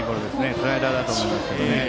スライダーだと思うんですけどね。